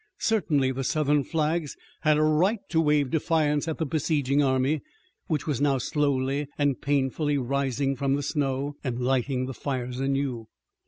Certainly the Southern flags had a right to wave defiance at the besieging army, which was now slowly and painfully rising from the snow, and lighting the fires anew.